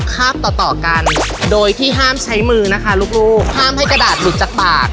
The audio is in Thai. ข้ามต่อต่อกันโดยที่ห้ามใช้มือนะคะลูกลูกห้ามให้กระดาษหลุดจากปาก